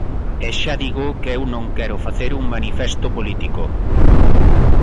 E xa digo que eu non quero facer un manifesto político.